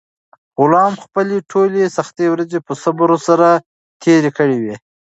غلام خپلې ټولې سختې ورځې په صبر سره تېرې کړې وې.